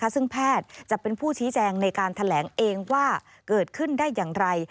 ซึ่งแพทย์จะเป็นผู้ชี้แจงในการแถลงเองว่าเกิดขึ้นได้อย่างไร